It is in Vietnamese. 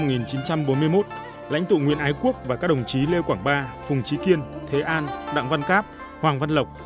năm một nghìn chín trăm bốn mươi một lãnh tụ nguyễn ái quốc và các đồng chí lê quảng ba phùng trí kiên thế an đặng văn cáp hoàng văn lộc